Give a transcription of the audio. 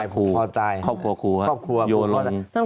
ผูคัวคลัว